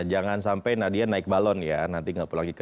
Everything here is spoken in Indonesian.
jangan sampai nadia naik balon ya nanti gak perlu lagi